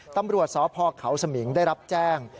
ตำรวจสพเขาสมิงได้รับแจ้ง